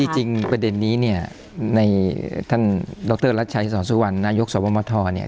จริงประเด็นนี้เนี่ยในท่านดรรัชชัยสอนสุวรรณนายกสวมทรเนี่ย